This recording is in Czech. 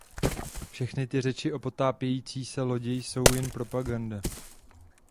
Všechny ty řeči o potápějící se lodi jsou jen propaganda.